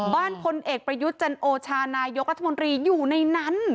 บ้านคนเอกประยุจจันโอชานายกรัฐมนตรีอยู่ในนั้น